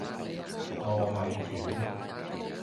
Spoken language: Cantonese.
糯米卷